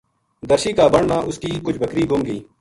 درشی کا بن ما اس کی کجھ بکری گُم گئی